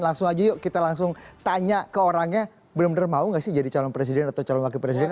langsung aja yuk kita langsung tanya ke orangnya bener bener mau gak sih jadi calon presiden atau calon wakil presiden